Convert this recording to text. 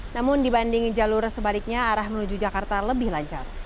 namun dibanding jalur sebaliknya arah menuju jakarta lebih lancar